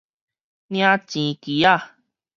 領錢機仔